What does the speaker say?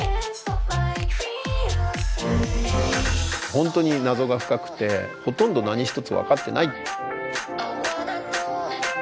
本当に謎が深くてほとんど何一つ分かってない。